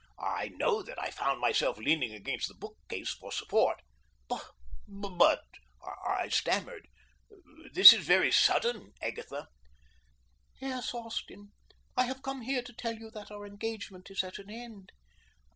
I know that I found myself leaning against the bookcase for support. "But but " I stammered. "This is very sudden, Agatha." "Yes, Austin, I have come here to tell you that our engagement is at an end."